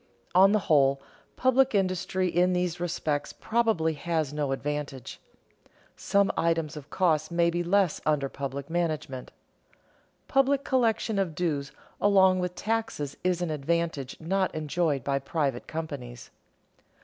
On the whole, public industry in these respects probably has no advantage. Some items of cost may be less under public management. Public collection of dues along with taxes is an advantage not enjoyed by private companies.